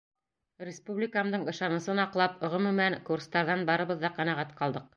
Республикамдың ышанысын аҡлап, Ғөмүмән, курстарҙан барыбыҙ ҙа ҡәнәғәт ҡалдыҡ.